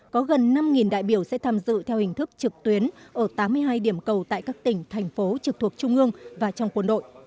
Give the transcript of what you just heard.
có gần năm đại biểu sẽ tham dự theo hình thức trực tuyến ở tám mươi hai điểm cầu tại các tỉnh thành phố trực thuộc trung ương và trong quân đội